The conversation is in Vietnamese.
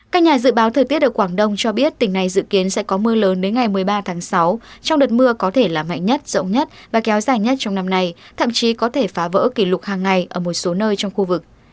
các nhà dự báo thời tiết ở quảng đông cho biết tỉnh này dự kiến sẽ có mưa lớn đến ngày một mươi ba tháng sáu trong đợt mưa có thể là mạnh nhất rộng nhất và kéo dài nhất trong năm nay thậm chí có thể phá vỡ kỷ lục hàng ngày ở một số nơi trong khu vực